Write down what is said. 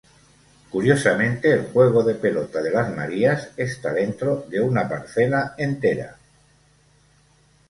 Curiosamente el juego de pelota de Las Marías está dentro de una parcela entera.